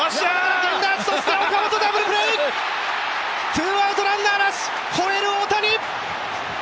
ツーアウト、ランナーなし、吠える大谷。